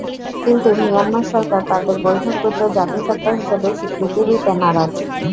কিন্তু মিয়ানমার সরকার তাদের বৈধ ক্ষুদ্র জাতিসত্তা হিসেবে স্বীকৃতি দিতে নারাজ।